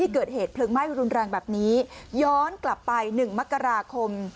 เกิดเหตุเพลิงไหม้รุนแรงแบบนี้ย้อนกลับไป๑มกราคม